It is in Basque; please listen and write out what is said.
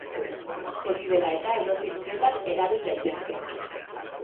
Hori dela eta, edozein unetan erabil daitezke.